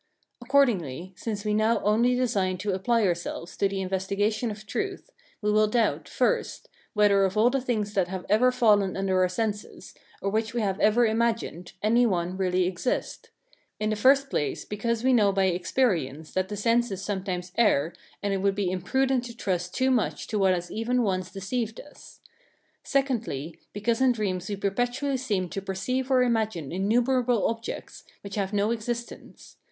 Accordingly, since we now only design to apply ourselves to the investigation of truth, we will doubt, first, whether of all the things that have ever fallen under our senses, or which we have ever imagined, any one really exist; in the first place, because we know by experience that the senses sometimes err, and it would be imprudent to trust too much to what has even once deceived us; secondly, because in dreams we perpetually seem to perceive or imagine innumerable objects which have no existence.